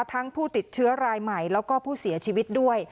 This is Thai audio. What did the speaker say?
ผู้ติดเชื้อรายใหม่แล้วก็ผู้เสียชีวิตด้วย